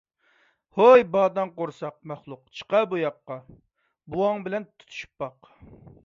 ھوي باداڭ قورساق مەخلۇق، چىقە بۇ ياققا ! بوۋاڭ بىلەن تۇتۇشۇپ باق!